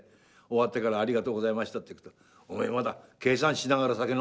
終わってから「ありがとうございました」って行くと「お前まだ計算しながら酒飲んでるぞ。